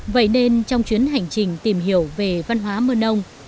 vậy nên trong chuyến hành trình tìm hiểu về văn hóa mơ nông